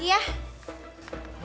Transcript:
ya jatuh oleh p p shooting